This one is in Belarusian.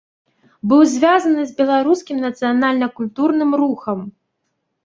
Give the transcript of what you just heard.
Быў звязаны з беларускім нацыянальна-культурным рухам.